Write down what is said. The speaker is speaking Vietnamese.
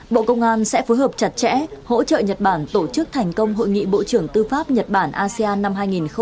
bộ công an sẽ phối hợp chặt chẽ hỗ trợ nhật bản tổ chức thành công hội nghị bộ trưởng tư pháp nhật bản asean năm hai nghìn hai mươi